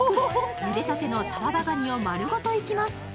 ゆでたてのたらばがにを丸ごといきます。